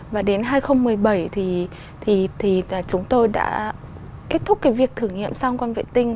và đến hai nghìn một mươi bảy thì chúng tôi đã kết thúc cái việc thử nghiệm sang con vệ tinh